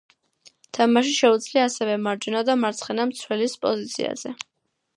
თამაში შეუძლია ასევე მარჯვენა და მარცხენა მცველის პოზიციაზე.